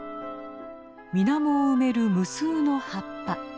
水面を埋める無数の葉っぱ。